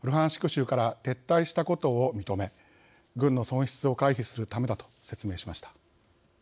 州から撤退したことを認め軍の損失を回避するためだと説明しました。